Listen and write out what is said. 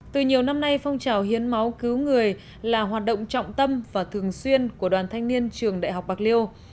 từ nhiều năm nay phong trào hiến máu cứu người là hoạt động trọng tâm và thường xuyên của đoàn thanh niên trường đại học bạc liêu